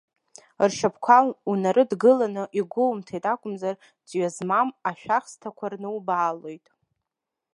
Ршьапқәа унарыдгылан игәоумҭеит акәымзар, ҵҩа змамыз ашәахсҭақәа рнубаалоит.